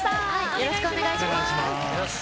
よろしくお願いします。